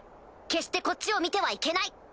決してこっちを見てはいけない！